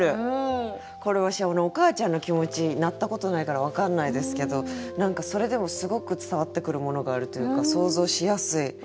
これわしお母ちゃんの気持ちなったことないから分かんないですけど何かそれでもすごく伝わってくるものがあるというか想像しやすい。